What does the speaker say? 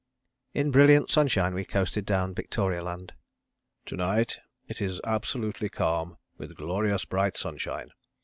In brilliant sunshine we coasted down Victoria Land. "To night it is absolutely calm, with glorious bright sunshine.